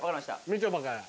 みちょぱから。